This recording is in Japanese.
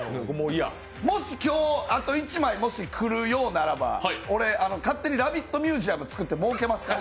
もし今日あと１枚もし来るようならば勝手にラヴィットミュージアム作ってもうけますからね。